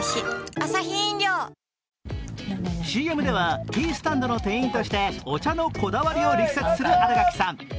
ＣＭではティースタンドの店員としてお茶のこだわりを力説する新垣さん。